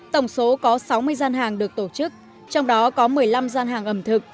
tổng số có sáu mươi gian hàng được tổ chức trong đó có một mươi năm gian hàng ẩm thực